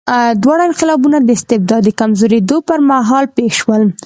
دواړه انقلابونه د استبداد د کمزورېدو پر مهال پېښ شول.